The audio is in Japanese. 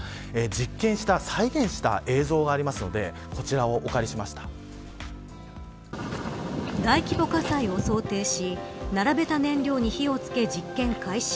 実験した再現した映像がありますので大規模火災を想定し並べた燃料に火をつけ実験開始。